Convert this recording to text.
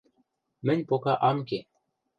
Мӹнь пока ам ке...